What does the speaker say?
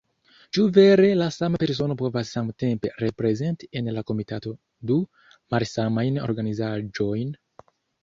Ĉu vere la sama persono povas samtempe reprezenti en la komitato du malsamajn organizaĵojn?